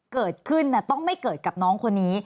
เกิดขึ้นต้องไม่เกิดกับน้องคนนี้